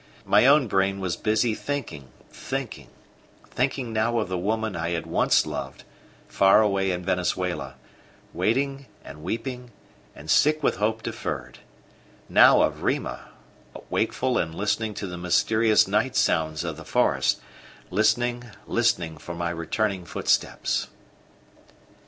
My own brain was busy thinking, thinking, thinking now of the woman I had once loved, far away in Venezuela, waiting and weeping and sick with hope deferred; now of Rima, wakeful and listening to the mysterious nightsounds of the forest listening, listening for my returning footsteps.